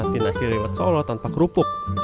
anda bisa menikmati nasi liwet solo tanpa kerupuk